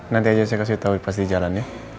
nanti aja saya kasih tau pas di jalannya